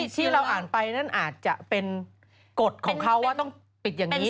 ที่เราอ่านไปนั่นอาจจะเป็นกฎของเขาว่าต้องปิดอย่างนี้